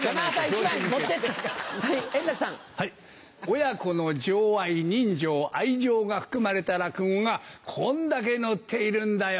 親子の情愛人情愛情が含まれた落語がこんだけ載っているんだよ。